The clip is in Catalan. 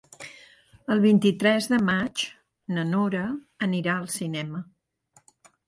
El vint-i-tres de maig na Nora anirà al cinema.